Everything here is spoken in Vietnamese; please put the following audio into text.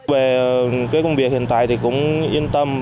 về công việc hiện tại thì cũng yên tâm